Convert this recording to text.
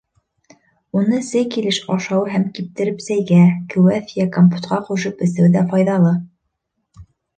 Уны сей килеш ашау һәм киптереп сәйгә, кеүәҫ йә компотҡа ҡушып эсеү ҙә файҙалы.